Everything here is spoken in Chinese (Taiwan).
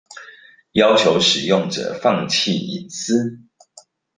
要求使用者放棄隱私